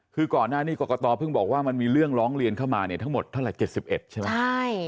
คือก่อนหน้านี้กรกตเพิ่งบอกว่ามันมีเรื่องร้องเรียนเข้ามาเนี่ยทั้งหมดเท่าไหร่๗๑ใช่ไหม